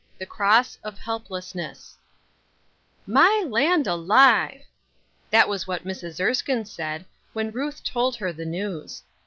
THE CKOSS OF HELPLESSNESS land alive !" That was what Mrs. Erskine said, when Ruth told her the news.